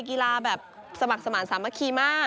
กีฬาแบบสมัครสมาธิสามัคคีมาก